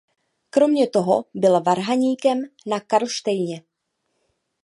Kromě toho byl varhaníkem na Karlštejně.